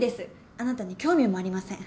あなたに興味もありません。